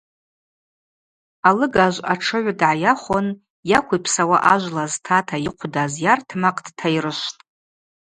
Алыгажв атшыгӏв дгӏайахвын йаквипсауа ажвла зтата йыхъвдаз йартмакъ дтайрышвтӏ.